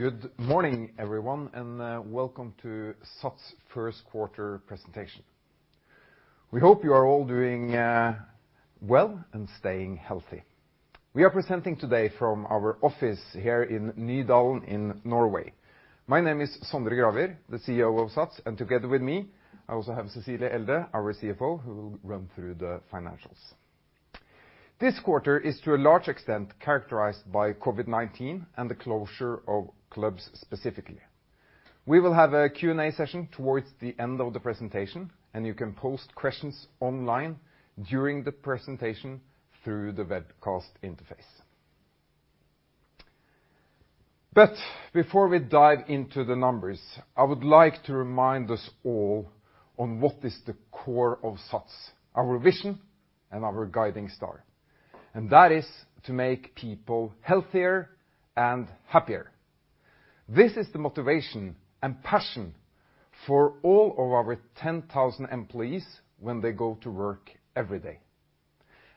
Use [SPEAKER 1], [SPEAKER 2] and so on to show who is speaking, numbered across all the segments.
[SPEAKER 1] Good morning, everyone, and welcome to SATS first quarter presentation. We hope you are all doing well and staying healthy. We are presenting today from our office here in Nydalen in Norway. My name is Sondre Gravir, the CEO of SATS, and together with me, I also have Cecilie Elde, our CFO, who will run through the financials. This quarter is, to a large extent, characterized by COVID-19 and the closure of clubs specifically. We will have a Q&A session towards the end of the presentation, and you can post questions online during the presentation through the webcast interface. Before we dive into the numbers, I would like to remind us all on what is the core of SATS, our vision and our guiding star, and that is to make people healthier and happier. This is the motivation and passion for all of our 10,000 employees when they go to work every day,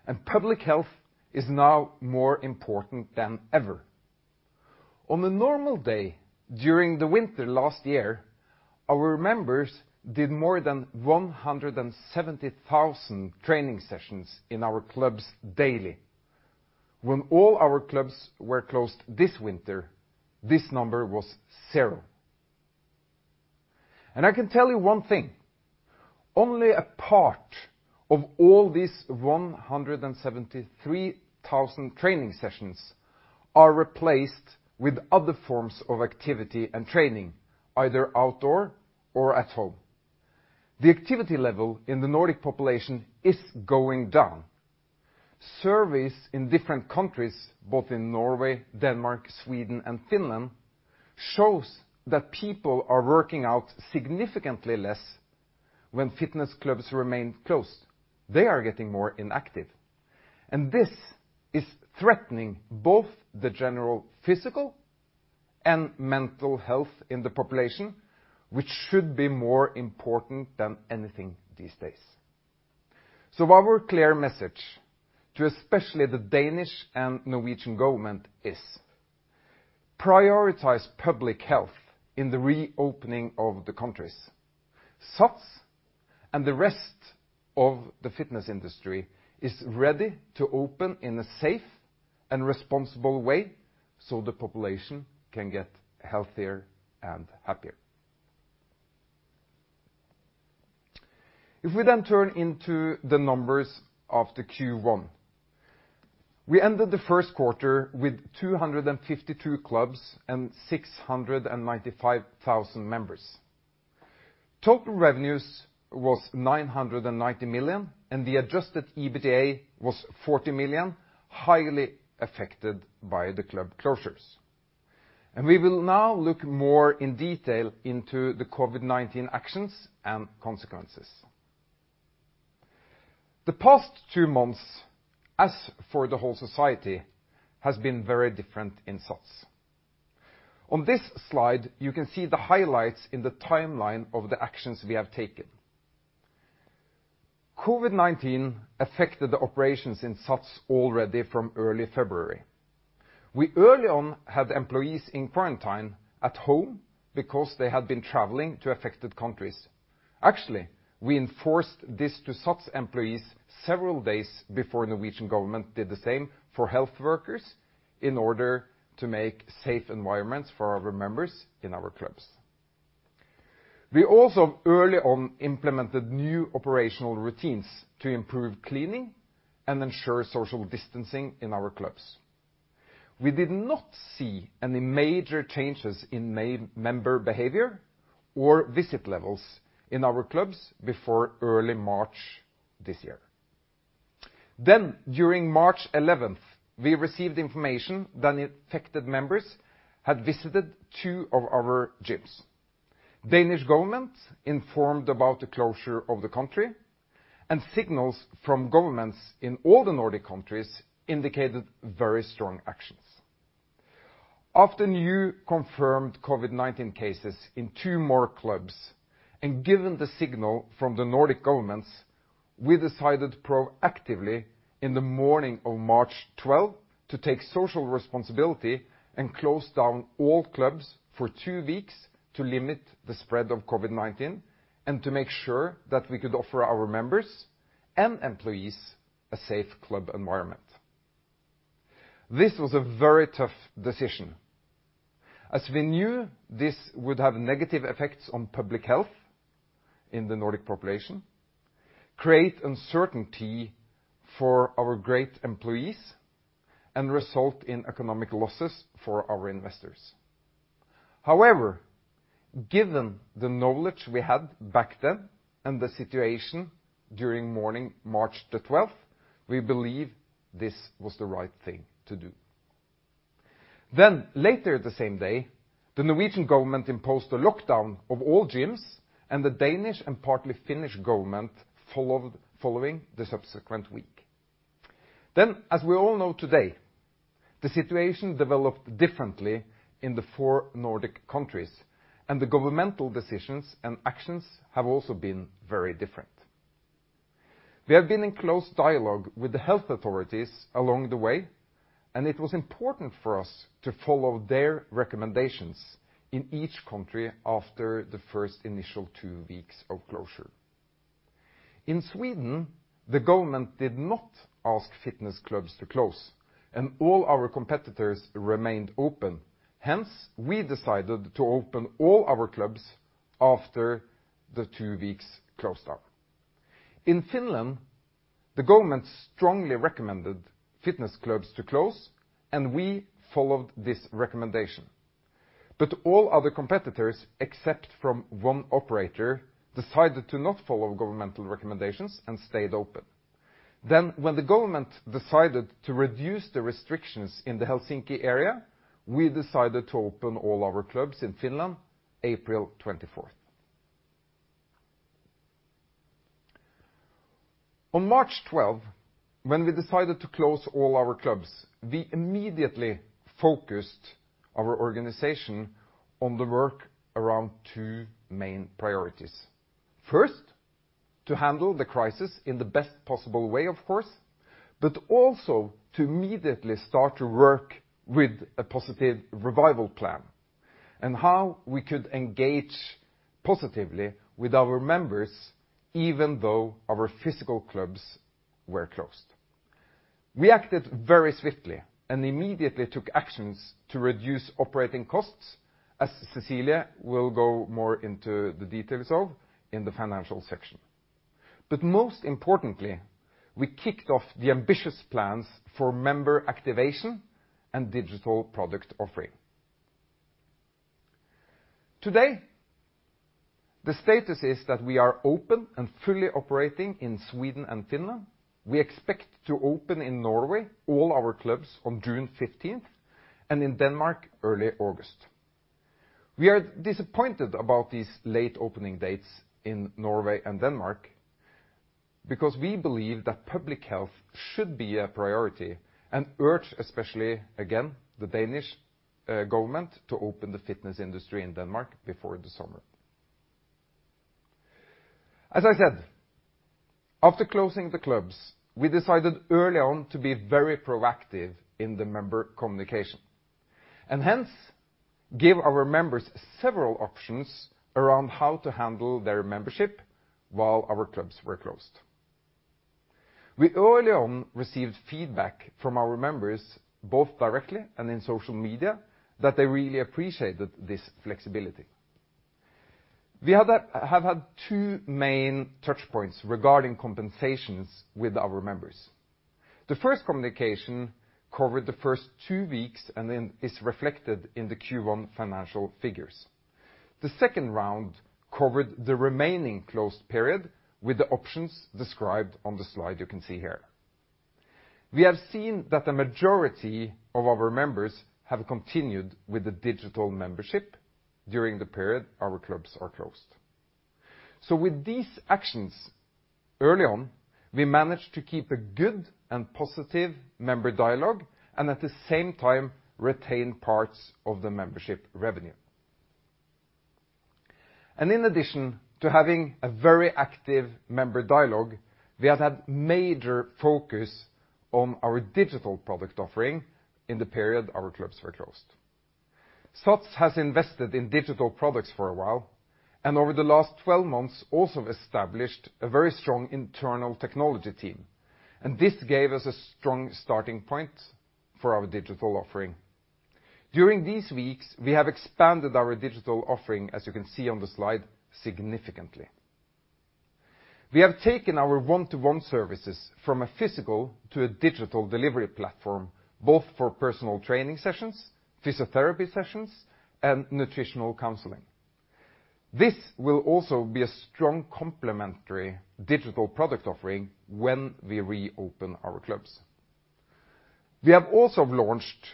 [SPEAKER 1] and public health is now more important than ever. On a normal day, during the winter last year, our members did more than 170,000 training sessions in our clubs daily. When all our clubs were closed this winter, this number was zero. And I can tell you one thing, only a part of all these 173,000 training sessions are replaced with other forms of activity and training, either outdoor or at home. The activity level in the Nordic population is going down. Surveys in different countries, both in Norway, Denmark, Sweden, and Finland, shows that people are working out significantly less when fitness clubs remain closed. They are getting more inactive, and this is threatening both the general physical and mental health in the population, which should be more important than anything these days. So our clear message to especially the Danish and Norwegian government is: prioritize public health in the reopening of the countries. SATS and the rest of the fitness industry is ready to open in a safe and responsible way, so the population can get healthier and happier. If we then turn into the numbers of the Q1, we ended the first quarter with 252 clubs and 695,000 members. Total revenues was 990 million, and the adjusted EBITDA was 40 million, highly affected by the club closures. We will now look more in detail into the COVID-19 actions and consequences. The past two months, as for the whole society, has been very different in SATS. On this slide, you can see the highlights in the timeline of the actions we have taken. COVID-19 affected the operations in SATS already from early February. We early on had employees in quarantine at home because they had been traveling to affected countries. Actually, we enforced this to SATS employees several days before Norwegian government did the same for health workers in order to make safe environments for our members in our clubs. We also early on implemented new operational routines to improve cleaning and ensure social distancing in our clubs. We did not see any major changes in member behavior or visit levels in our clubs before early March this year. Then, during March 11th, we received information that infected members had visited two of our gyms. Danish government informed about the closure of the country, and signals from governments in all the Nordic countries indicated very strong actions. After new confirmed COVID-19 cases in two more clubs, and given the signal from the Nordic governments, we decided proactively in the morning of March 12th to take social responsibility and close down all clubs for two weeks to limit the spread of COVID-19 and to make sure that we could offer our members and employees a safe club environment. This was a very tough decision, as we knew this would have negative effects on public health in the Nordic population, create uncertainty for our great employees, and result in economic losses for our investors. However, given the knowledge we had back then and the situation during morning, March the 12th, we believe this was the right thing to do. Then later the same day, the Norwegian government imposed a lockdown of all gyms, and the Danish and partly Finnish government followed following the subsequent week. Then, as we all know today, the situation developed differently in the four Nordic countries, and the governmental decisions and actions have also been very different... We have been in close dialogue with the health authorities along the way, and it was important for us to follow their recommendations in each country after the first initial two weeks of closure. In Sweden, the government did not ask fitness clubs to close, and all our competitors remained open, hence, we decided to open all our clubs after the two weeks closed down. In Finland, the government strongly recommended fitness clubs to close, and we followed this recommendation. But all other competitors, except from one operator, decided to not follow governmental recommendations and stayed open. Then, when the government decided to reduce the restrictions in the Helsinki area, we decided to open all our clubs in Finland April 24th. On March 12th, when we decided to close all our clubs, we immediately focused our organization on the work around two main priorities. First, to handle the crisis in the best possible way, of course, but also to immediately start to work with a positive revival plan, and how we could engage positively with our members even though our physical clubs were closed. We acted very swiftly and immediately took actions to reduce operating costs, as Cecilie will go more into the details of in the financial section. But most importantly, we kicked off the ambitious plans for member activation and digital product offering. Today, the status is that we are open and fully operating in Sweden and Finland. We expect to open in Norway, all our clubs, on June 15th, and in Denmark, early August. We are disappointed about these late opening dates in Norway and Denmark, because we believe that public health should be a priority, and urge, especially, again, the Danish government to open the fitness industry in Denmark before the summer. As I said, after closing the clubs, we decided early on to be very proactive in the member communication, and hence, give our members several options around how to handle their membership while our clubs were closed. We early on received feedback from our members, both directly and in social media, that they really appreciated this flexibility. We have had two main touch points regarding compensations with our members. The first communication covered the first two weeks, and then is reflected in the Q1 financial figures. The second round covered the remaining closed period, with the options described on the slide you can see here. We have seen that the majority of our members have continued with the digital membership during the period our clubs are closed. With these actions early on, we managed to keep a good and positive member dialogue, and at the same time, retain parts of the membership revenue. In addition to having a very active member dialogue, we have had major focus on our digital product offering in the period our clubs were closed. SATS has invested in digital products for a while, and over the last 12 months, also established a very strong internal technology team, and this gave us a strong starting point for our digital offering. During these weeks, we have expanded our digital offering, as you can see on the slide, significantly. We have taken our one-to-one services from a physical to a digital delivery platform, both for personal training sessions, physiotherapy sessions, and nutritional counseling. This will also be a strong complementary digital product offering when we reopen our clubs. We have also launched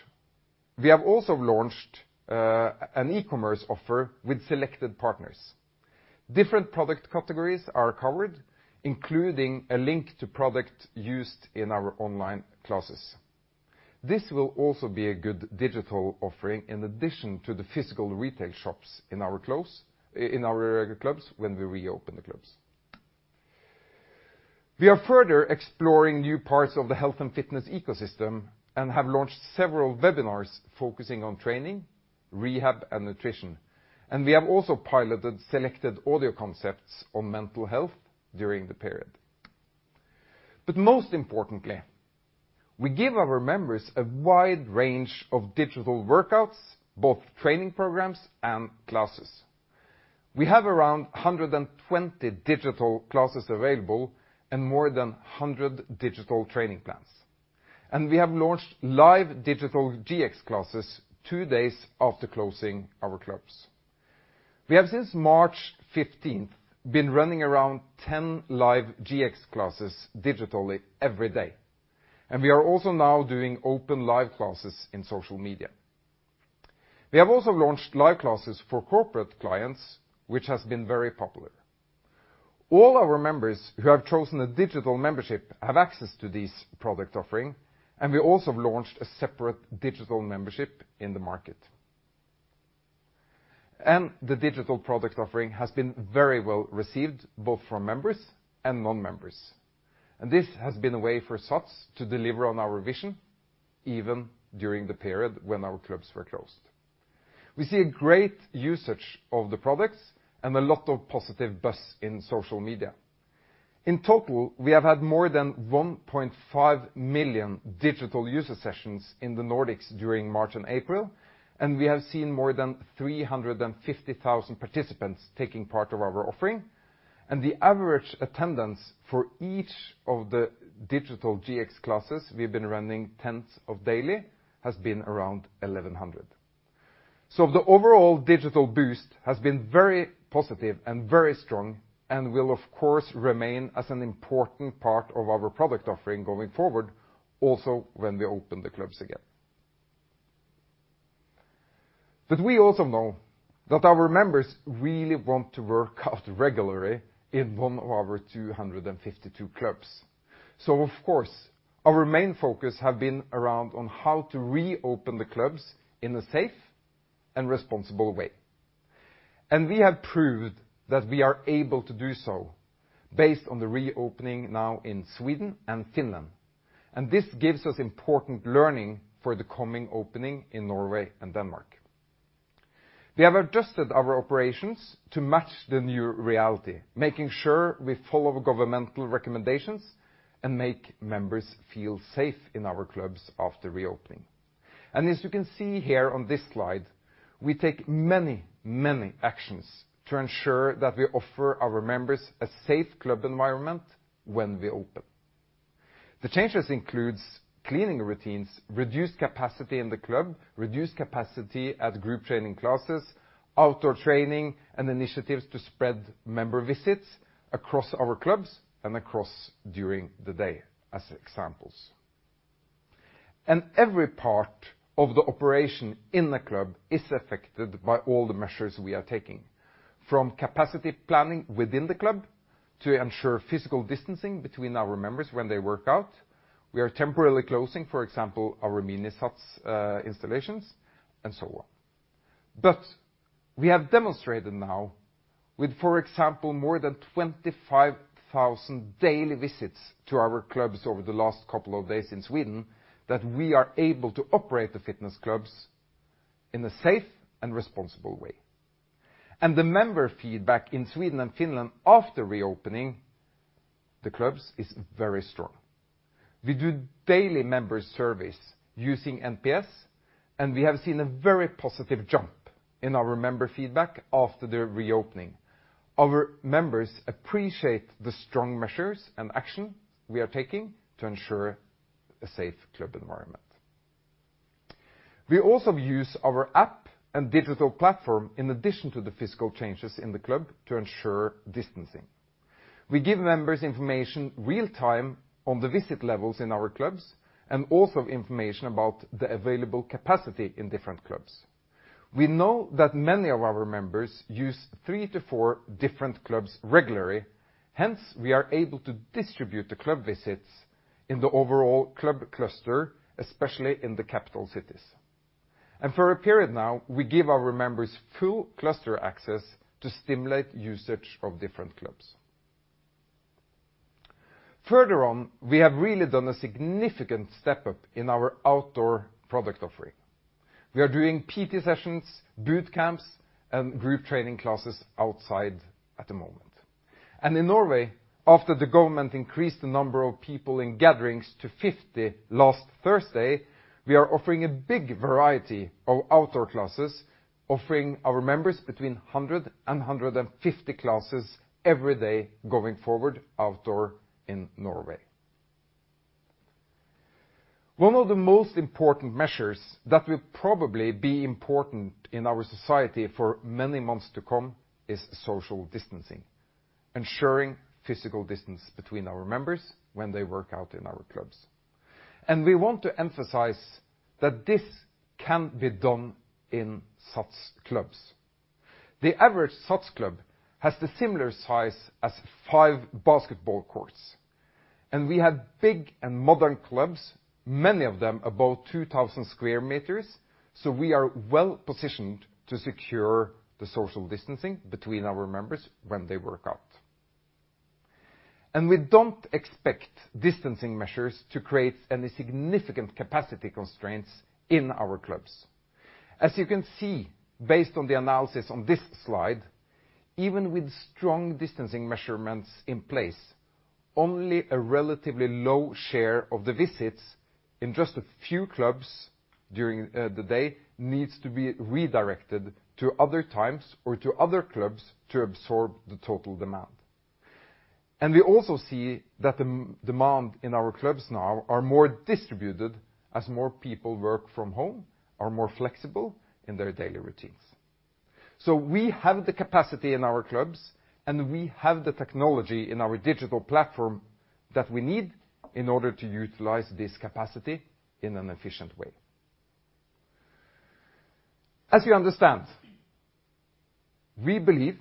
[SPEAKER 1] an e-commerce offer with selected partners. Different product categories are covered, including a link to product used in our online classes. This will also be a good digital offering in addition to the physical retail shops in our clubs when we reopen the clubs. We are further exploring new parts of the health and fitness ecosystem, and have launched several webinars focusing on training, rehab, and nutrition, and we have also piloted selected audio concepts on mental health during the period. But most importantly, we give our members a wide range of digital workouts, both training programs and classes. We have around 120 digital classes available, and more than 100 digital training plans. We have launched live digital GX classes two days after closing our clubs. We have, since March 15th, been running around 10 live GX classes digitally every day, and we are also now doing open live classes in social media. We have also launched live classes for corporate clients, which has been very popular. All our members who have chosen a digital membership have access to this product offering, and we also have launched a separate digital membership in the market. The digital product offering has been very well received, both from members and non-members, and this has been a way for SATS to deliver on our vision even during the period when our clubs were closed. We see a great usage of the products and a lot of positive buzz in social media. In total, we have had more than 1.5 million digital user sessions in the Nordics during March and April, and we have seen more than 350,000 participants taking part of our offering. The average attendance for each of the digital GX classes we've been running tens of daily, has been around 1,100. The overall digital boost has been very positive and very strong, and will, of course, remain as an important part of our product offering going forward, also when we open the clubs again. But we also know that our members really want to work out regularly in one of our 252 clubs. So of course, our main focus have been around on how to reopen the clubs in a safe and responsible way, and we have proved that we are able to do so based on the reopening now in Sweden and Finland, and this gives us important learning for the coming opening in Norway and Denmark. We have adjusted our operations to match the new reality, making sure we follow governmental recommendations and make members feel safe in our clubs after reopening. And as you can see here on this slide, we take many, many actions to ensure that we offer our members a safe club environment when we open. The changes includes cleaning routines, reduced capacity in the club, reduced capacity at group training classes, outdoor training, and initiatives to spread member visits across our clubs and across during the day, as examples. Every part of the operation in the club is affected by all the measures we are taking, from capacity planning within the club to ensure physical distancing between our members when they work out. We are temporarily closing, for example, our MiniSats installations, and so on. We have demonstrated now with, for example, more than 25,000 daily visits to our clubs over the last couple of days in Sweden, that we are able to operate the fitness clubs in a safe and responsible way. The member feedback in Sweden and Finland after reopening the clubs is very strong. We do daily member surveys using NPS, and we have seen a very positive jump in our member feedback after the reopening. Our members appreciate the strong measures and action we are taking to ensure a safe club environment. We also use our app and digital platform in addition to the physical changes in the club to ensure distancing. We give members information real time on the visit levels in our clubs, and also information about the available capacity in different clubs. We know that many of our members use 3-4 different clubs regularly. Hence, we are able to distribute the club visits in the overall club cluster, especially in the capital cities. For a period now, we give our members full cluster access to stimulate usage of different clubs. Further on, we have really done a significant step up in our outdoor product offering. We are doing PT sessions, boot camps, and group training classes outside at the moment. In Norway, after the government increased the number of people in gatherings to 50 last Thursday, we are offering a big variety of outdoor classes, offering our members between 100 and 150 classes every day going forward outdoor in Norway. One of the most important measures that will probably be important in our society for many months to come is social distancing, ensuring physical distance between our members when they work out in our clubs. We want to emphasize that this can be done in SATS clubs. The average SATS club has the similar size as 5 basketball courts, and we have big and modern clubs, many of them about 2,000 square meters, so we are well positioned to secure the social distancing between our members when they work out. We don't expect distancing measures to create any significant capacity constraints in our clubs. As you can see, based on the analysis on this slide, even with strong distancing measurements in place, only a relatively low share of the visits in just a few clubs during the day needs to be redirected to other times or to other clubs to absorb the total demand. And we also see that the demand in our clubs now are more distributed as more people work from home, are more flexible in their daily routines. So we have the capacity in our clubs, and we have the technology in our digital platform that we need in order to utilize this capacity in an efficient way. As you understand, we believe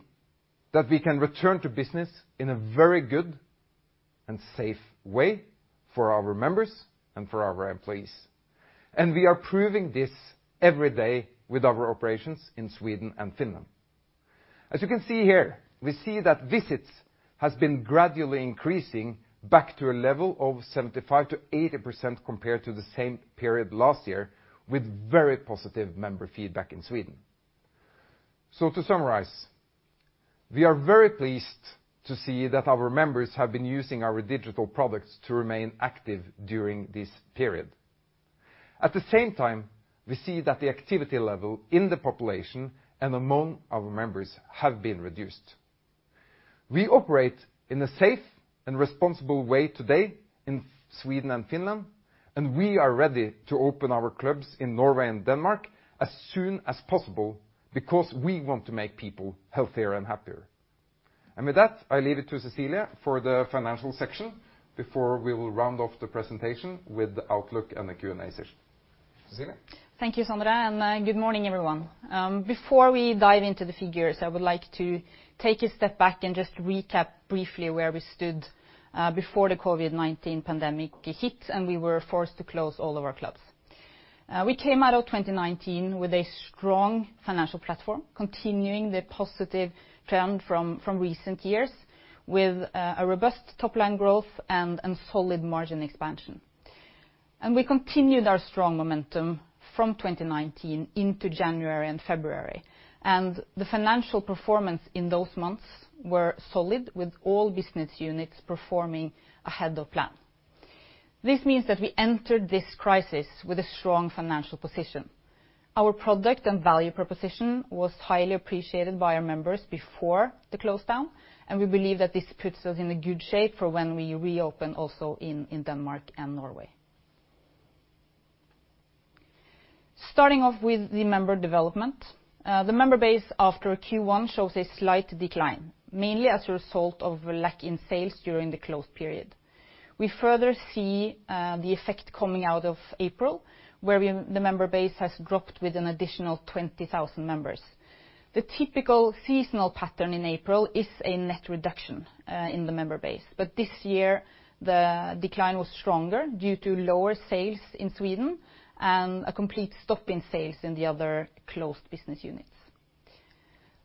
[SPEAKER 1] that we can return to business in a very good and safe way for our members and for our employees. And we are proving this every day with our operations in Sweden and Finland. As you can see here, we see that visits has been gradually increasing back to a level of 75%-80% compared to the same period last year, with very positive member feedback in Sweden. So to summarize, we are very pleased to see that our members have been using our digital products to remain active during this period. At the same time, we see that the activity level in the population and among our members have been reduced. We operate in a safe and responsible way today in Sweden and Finland, and we are ready to open our clubs in Norway and Denmark as soon as possible, because we want to make people healthier and happier. And with that, I leave it to Cecilie for the financial section before we will round off the presentation with the outlook and the Q&A session. Cecilie?
[SPEAKER 2] Thank you, Sondre, and good morning, everyone. Before we dive into the figures, I would like to take a step back and just recap briefly where we stood before the COVID-19 pandemic hit, and we were forced to close all of our clubs. We came out of 2019 with a strong financial platform, continuing the positive trend from recent years, with a robust top line growth and solid margin expansion. We continued our strong momentum from 2019 into January and February, and the financial performance in those months were solid, with all business units performing ahead of plan. This means that we entered this crisis with a strong financial position. Our product and value proposition was highly appreciated by our members before the close down, and we believe that this puts us in a good shape for when we reopen also in Denmark and Norway. Starting off with the member development, the member base after Q1 shows a slight decline, mainly as a result of a lack in sales during the closed period. We further see the effect coming out of April, where the member base has dropped with an additional 20,000 members. The typical seasonal pattern in April is a net reduction in the member base. But this year, the decline was stronger due to lower sales in Sweden and a complete stop in sales in the other closed business units.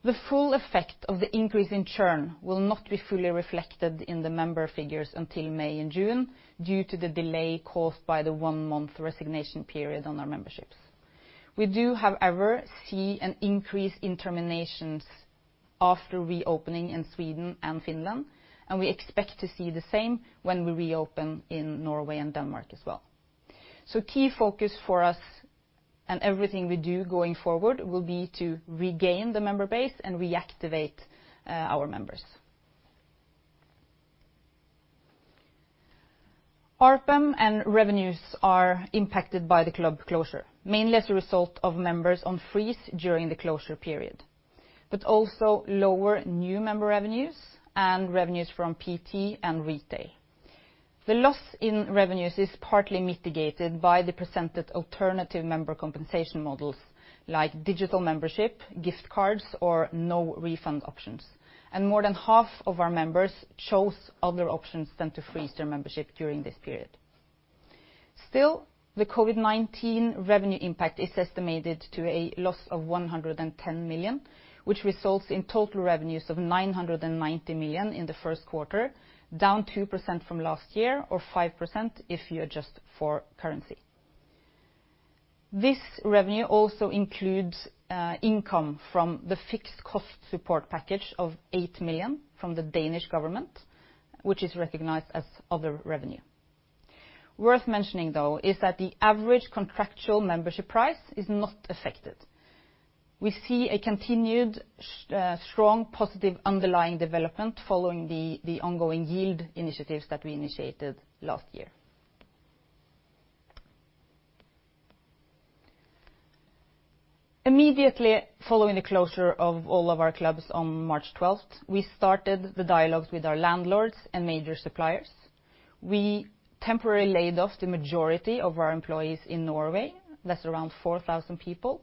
[SPEAKER 2] The full effect of the increase in churn will not be fully reflected in the member figures until May and June, due to the delay caused by the one-month resignation period on our memberships. We do, however, see an increase in terminations after reopening in Sweden and Finland, and we expect to see the same when we reopen in Norway and Denmark as well. So key focus for us and everything we do going forward will be to regain the member base and reactivate our members. ARPM and revenues are impacted by the club closure, mainly as a result of members on freeze during the closure period, but also lower new member revenues and revenues from PT and retail. The loss in revenues is partly mitigated by the presented alternative member compensation models, like digital membership, gift cards, or no refund options. And more than half of our members chose other options than to freeze their membership during this period. Still, the COVID-19 revenue impact is estimated to a loss of 110 million, which results in total revenues of 990 million in the first quarter, down 2% from last year, or 5% if you adjust for currency. This revenue also includes income from the fixed cost support package of 8 million from the Danish government, which is recognized as other revenue. Worth mentioning, though, is that the average contractual membership price is not affected. We see a continued strong, positive underlying development following the ongoing yield initiatives that we initiated last year. Immediately following the closure of all of our clubs on March 12th, we started the dialogues with our landlords and major suppliers. We temporarily laid off the majority of our employees in Norway, that's around 4,000 people,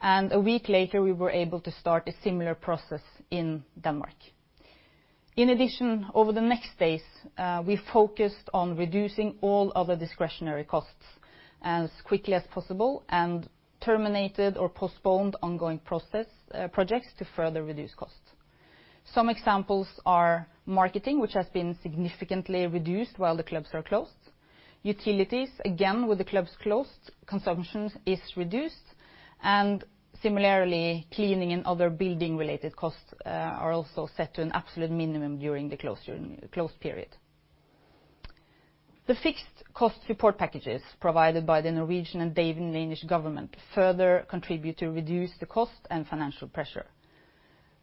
[SPEAKER 2] and a week later, we were able to start a similar process in Denmark. In addition, over the next days, we focused on reducing all other discretionary costs as quickly as possible, and terminated or postponed ongoing projects to further reduce costs. Some examples are marketing, which has been significantly reduced while the clubs are closed. Utilities, again, with the clubs closed, consumption is reduced. Similarly, cleaning and other building-related costs are also set to an absolute minimum during the closure period. The fixed cost support packages provided by the Norwegian and Danish government further contribute to reduce the cost and financial pressure.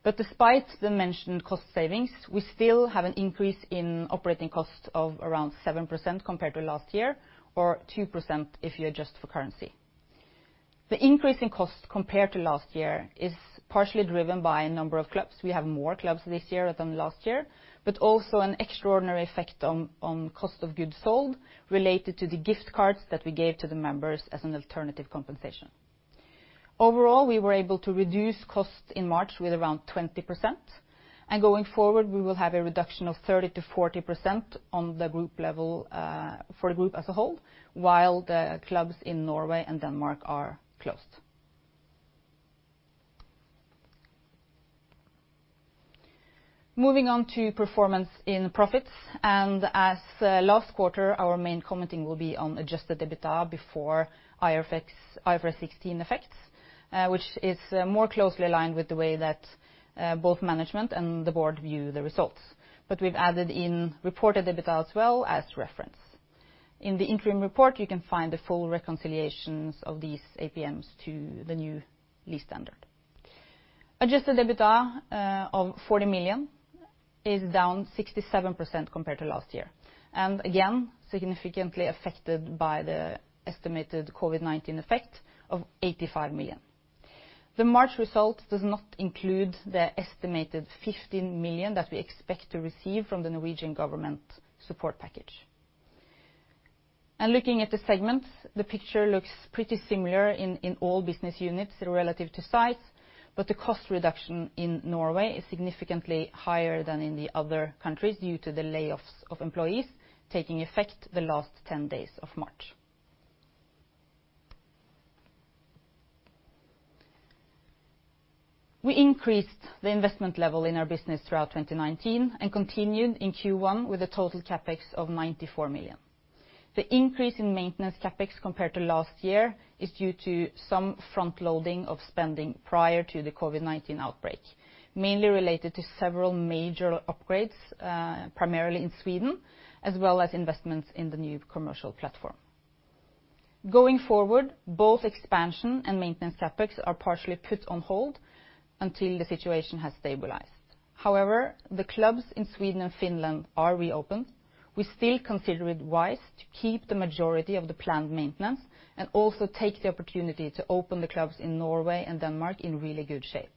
[SPEAKER 2] But despite the mentioned cost savings, we still have an increase in operating costs of around 7% compared to last year, or 2% if you adjust for currency. The increase in cost compared to last year is partially driven by number of clubs. We have more clubs this year than last year, but also an extraordinary effect on cost of goods sold related to the gift cards that we gave to the members as an alternative compensation. Overall, we were able to reduce costs in March with around 20%, and going forward, we will have a reduction of 30%-40% on the group level, for the group as a whole, while the clubs in Norway and Denmark are closed. Moving on to performance in profits, and as last quarter, our main commenting will be on adjusted EBITDA before IFRS 16 effects, which is more closely aligned with the way that both management and the board view the results. But we've added in reported EBITDA as well as reference. In the interim report, you can find the full reconciliations of these APMs to the new lease standard. Adjusted EBITDA of 40 million is down 67% compared to last year, and again, significantly affected by the estimated COVID-19 effect of 85 million. The March result does not include the estimated 15 million that we expect to receive from the Norwegian government support package. Looking at the segments, the picture looks pretty similar in all business units relative to size, but the cost reduction in Norway is significantly higher than in the other countries due to the layoffs of employees taking effect the last 10 days of March. We increased the investment level in our business throughout 2019, and continued in Q1 with a total CapEx of 94 million. The increase in maintenance CapEx compared to last year is due to some front loading of spending prior to the COVID-19 outbreak, mainly related to several major upgrades, primarily in Sweden, as well as investments in the new commercial platform. Going forward, both expansion and maintenance CapEx are partially put on hold until the situation has stabilized. However, the clubs in Sweden and Finland are reopened. We still consider it wise to keep the majority of the planned maintenance, and also take the opportunity to open the clubs in Norway and Denmark in really good shape.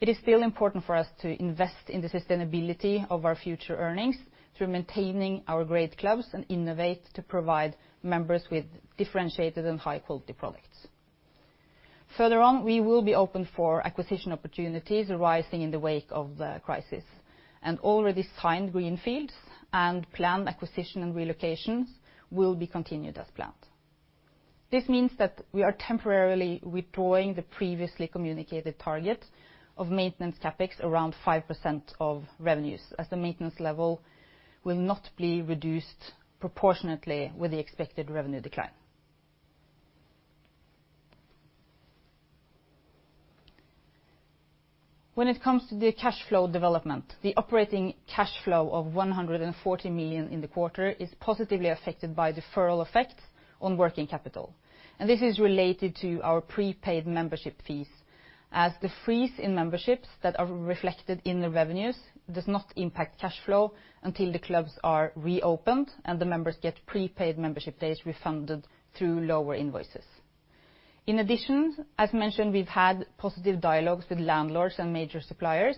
[SPEAKER 2] It is still important for us to invest in the sustainability of our future earnings through maintaining our great clubs, and innovate to provide members with differentiated and high-quality products. Further on, we will be open for acquisition opportunities arising in the wake of the crisis, and already signed greenfields and planned acquisition and relocations will be continued as planned. This means that we are temporarily withdrawing the previously communicated target of maintenance CapEx around 5% of revenues, as the maintenance level will not be reduced proportionately with the expected revenue decline. When it comes to the cash flow development, the operating cash flow of 140 million in the quarter is positively affected by the deferral effect on working capital, and this is related to our prepaid membership fees. As the freeze in memberships that are reflected in the revenues does not impact cash flow until the clubs are reopened and the members get prepaid membership days refunded through lower invoices. In addition, as mentioned, we've had positive dialogues with landlords and major suppliers,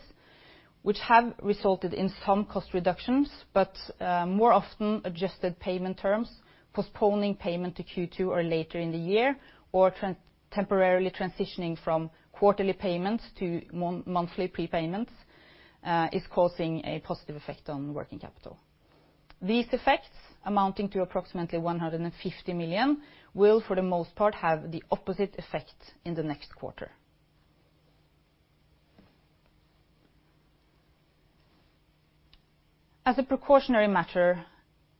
[SPEAKER 2] which have resulted in some cost reductions, but, more often, adjusted payment terms, postponing payment to Q2 or later in the year, or temporarily transitioning from quarterly payments to monthly prepayments, is causing a positive effect on working capital. These effects, amounting to approximately 150 million, will, for the most part, have the opposite effect in the next quarter. As a precautionary measure,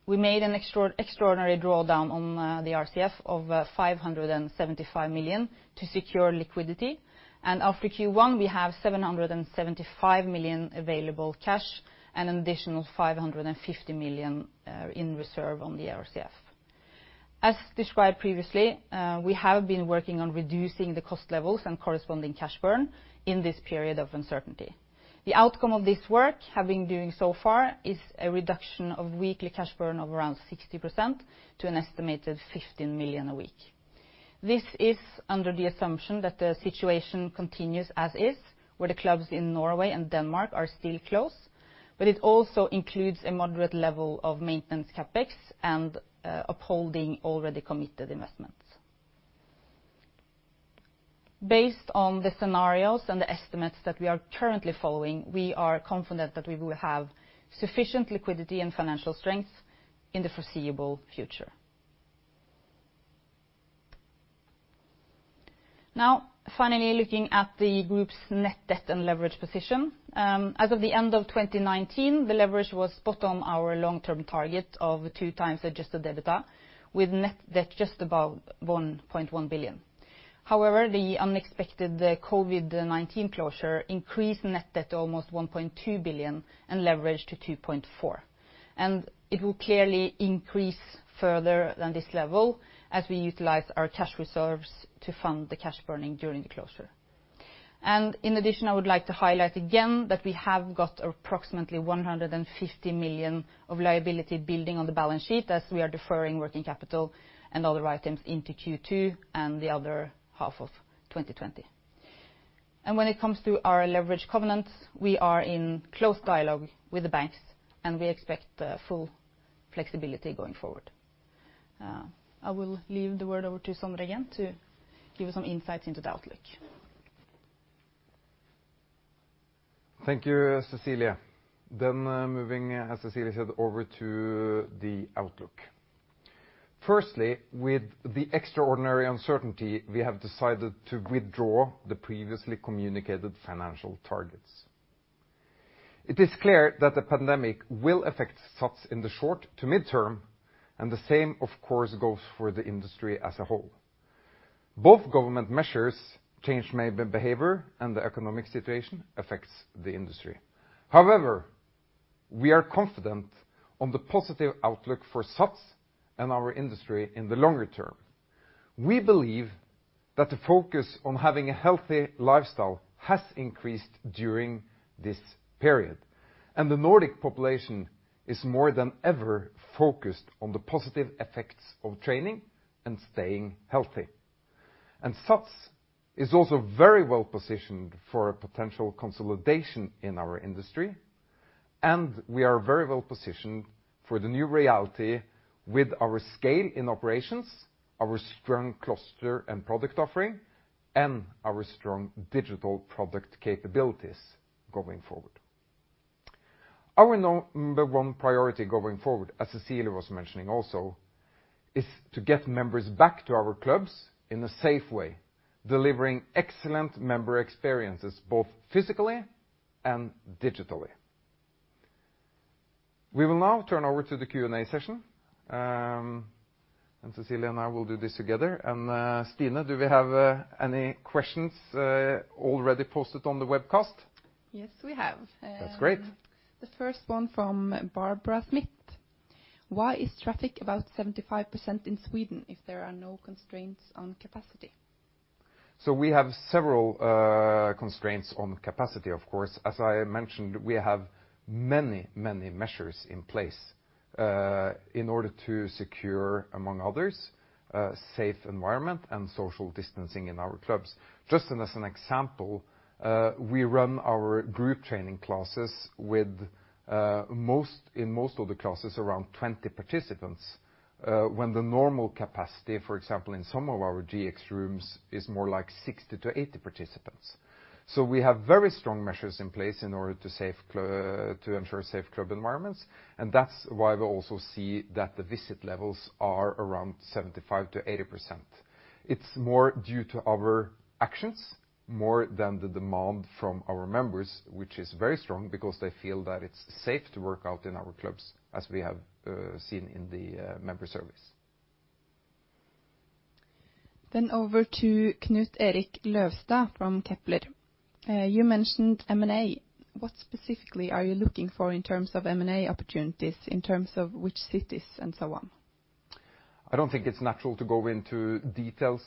[SPEAKER 2] we made an extraordinary drawdown on the RCF of 575 million to secure liquidity, and after Q1, we have 775 million available cash, and an additional 550 million in reserve on the RCF. As described previously, we have been working on reducing the cost levels and corresponding cash burn in this period of uncertainty. The outcome of this work have been doing so far is a reduction of weekly cash burn of around 60% to an estimated 15 million a week. This is under the assumption that the situation continues as is, where the clubs in Norway and Denmark are still closed, but it also includes a moderate level of maintenance CapEx and upholding already committed investments. Based on the scenarios and the estimates that we are currently following, we are confident that we will have sufficient liquidity and financial strength in the foreseeable future. Now, finally, looking at the group's net debt and leverage position. As of the end of 2019, the leverage was spot on our long-term target of 2x adjusted EBITDA, with net debt just above 1.1 billion. However, the unexpected, the COVID-19 closure increased net debt to almost 1.2 billion, and leverage to 2.4. It will clearly increase further than this level as we utilize our cash reserves to fund the cash burning during the closure. In addition, I would like to highlight again that we have got approximately 150 million of liability building on the balance sheet as we are deferring working capital and other items into Q2 and the other half of 2020. When it comes to our leverage covenants, we are in close dialogue with the banks, and we expect full flexibility going forward. I will leave the word over to Sondre again to give you some insights into the outlook.
[SPEAKER 1] Thank you, Cecilie. Then, moving, as Cecilie said, over to the outlook. Firstly, with the extraordinary uncertainty, we have decided to withdraw the previously communicated financial targets. It is clear that the pandemic will affect SATS in the short to mid-term, and the same, of course, goes for the industry as a whole. Both government measures, change made in behavior, and the economic situation affects the industry. However, we are confident on the positive outlook for SATS and our industry in the longer term. We believe that the focus on having a healthy lifestyle has increased during this period, and the Nordic population is more than ever focused on the positive effects of training and staying healthy. SATS is also very well positioned for a potential consolidation in our industry, and we are very well positioned for the new reality with our scale in operations, our strong cluster and product offering, and our strong digital product capabilities going forward. Our number one priority going forward, as Cecilie was mentioning also, is to get members back to our clubs in a safe way, delivering excellent member experiences, both physically and digitally. We will now turn over to the Q&A session, and Cecilie and I will do this together. And, Stine, do we have any questions already posted on the webcast?
[SPEAKER 3] Yes, we have,
[SPEAKER 1] That's great.
[SPEAKER 3] The first one from Barbara Smith: "Why is traffic about 75% in Sweden if there are no constraints on capacity?
[SPEAKER 1] So we have several constraints on capacity, of course. As I mentioned, we have many, many measures in place in order to secure, among others, a safe environment and social distancing in our clubs. Just as an example, we run our group training classes with, most, in most of the classes, around 20 participants, when the normal capacity, for example, in some of our GX rooms, is more like 60-80 participants. So we have very strong measures in place in order to ensure safe club environments, and that's why we also see that the visit levels are around 75%-80%. It's more due to our actions more than the demand from our members, which is very strong because they feel that it's safe to work out in our clubs, as we have seen in the member surveys.
[SPEAKER 3] Then over to Knut Erik Løvstad from Kepler. "You mentioned M&A. What specifically are you looking for in terms of M&A opportunities, in terms of which cities, and so on?
[SPEAKER 1] I don't think it's natural to go into details,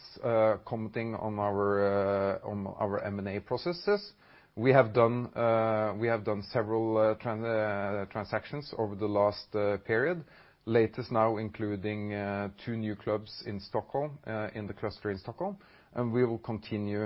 [SPEAKER 1] commenting on our, on our M&A processes. We have done, we have done several, transactions over the last, period, latest now including, two new clubs in Stockholm, in the cluster in Stockholm, and we will continue,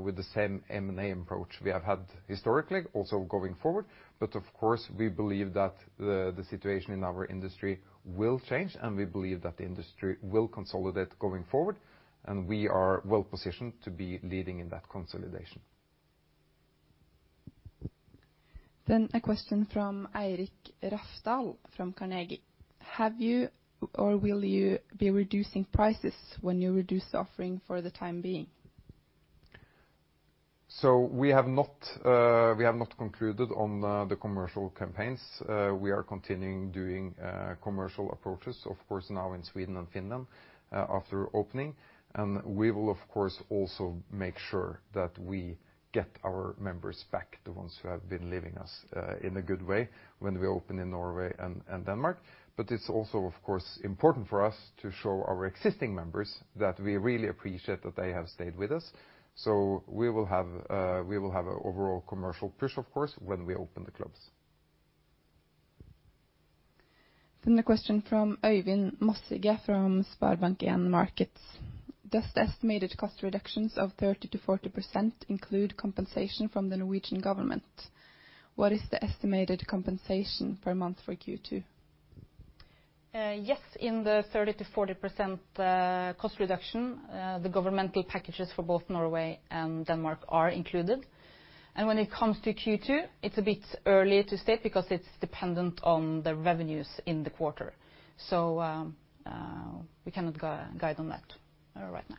[SPEAKER 1] with the same M&A approach we have had historically, also going forward. But of course, we believe that the, the situation in our industry will change, and we believe that the industry will consolidate going forward, and we are well positioned to be leading in that consolidation.
[SPEAKER 3] Then a question from Eirik Rafdal from Carnegie: "Have you or will you be reducing prices when you reduce the offering for the time being?
[SPEAKER 1] So we have not concluded on the commercial campaigns. We are continuing doing commercial approaches, of course, now in Sweden and Finland after opening, and we will, of course, also make sure that we get our members back, the ones who have been leaving us in a good way when we open in Norway and Denmark. But it's also, of course, important for us to show our existing members that we really appreciate that they have stayed with us. So we will have a overall commercial push, of course, when we open the clubs.
[SPEAKER 3] Then a question from Øyvind Mossige from SpareBank 1 Markets: "Does the estimated cost reductions of 30%-40% include compensation from the Norwegian government? What is the estimated compensation per month for Q2?
[SPEAKER 2] Yes, in the 30%-40% cost reduction, the governmental packages for both Norway and Denmark are included. And when it comes to Q2, it's a bit early to state because it's dependent on the revenues in the quarter, so we cannot guide on that right now.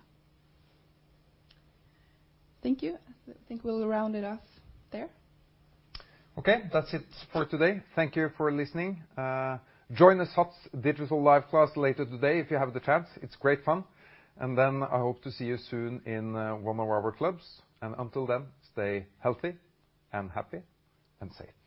[SPEAKER 3] Thank you. I think we'll round it off there.
[SPEAKER 1] Okay, that's it for today. Thank you for listening. Join the SATS digital live class later today if you have the chance. It's great fun. And then I hope to see you soon in one of our clubs, and until then, stay healthy and happy and safe. Thank you.